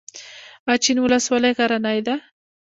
اچین ولسوالۍ غرنۍ ده؟